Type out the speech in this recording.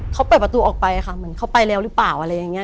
เขาเปิดประตูออกไปค่ะเหมือนเขาไปแล้วหรือเปล่าอะไรอย่างนี้